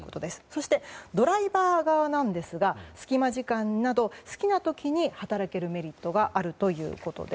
そして、ドライバー側ですが隙間時間など好きな時に働けるメリットがあるということなんです。